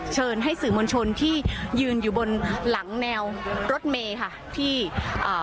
เชิญให้สื่อมวลชนที่ยืนอยู่บนหลังแนวรถเมย์ค่ะที่อ่า